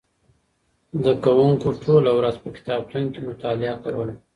زده کوونکو ټوله ورځ په کتابتون کې مطالعه کوله.